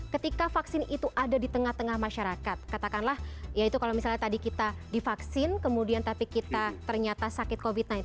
ketika vaksin itu ada di tengah tengah masyarakat katakanlah ya itu kalau misalnya tadi kita divaksin kemudian tapi kita ternyata sakit covid sembilan belas